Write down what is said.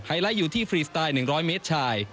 ไลท์อยู่ที่ฟรีสไตล์๑๐๐เมตรชาย